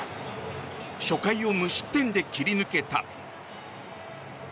初回を無失点で切り抜けた。